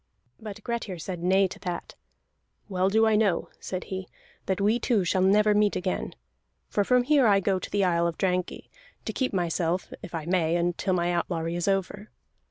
But Grettir said nay to that. "Well do I know," said he, "that we two shall never meet again. For from here I go to the island of Drangey, to keep myself if I may until my outlawry is over.